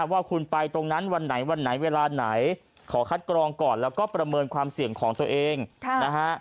ว่าคุณไปตรงนั้นวันไหนวันไหนเวลาไหนขอคัดกรองก่อนแล้วก็ประเมินความเสี่ยงของตัวเองนะฮะ